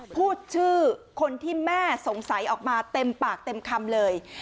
พูดชื่อคนที่แม่สงสัยออกมาเต็มปากเต็มคำเลย